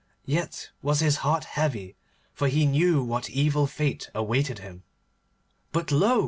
Yet was his heart heavy, for he knew what evil fate awaited him. But lo!